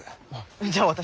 じゃあ私も。